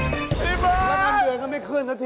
พี่เฟิร์นแล้วกันเดือนเขาไม่ขึ้นสักที